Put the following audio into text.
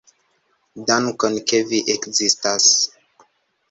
Dankon, ke vi ekzistas.